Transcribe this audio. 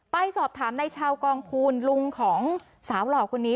ป้ายสอบถามในชาวกองคูณรุงของสาวหลอดคนนี้